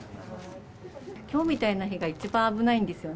きょうみたいな日が一番危ないんですよ。